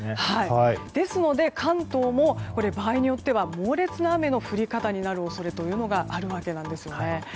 ですので、関東も場合によっては猛烈な雨の降り方になる恐れというのがあるわけです。